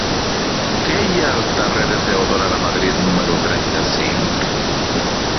Què hi ha al carrer de Teodora Lamadrid número trenta-cinc?